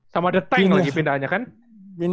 sama the tank lagi pindahannya kan